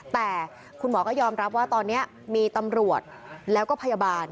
แต่คุณหมอก็ยอมรับว่าตอนนี้มีตำรวจแล้วก็พยาบาล